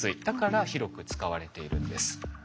だから広く使われているんです。